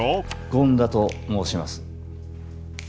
権田と申します。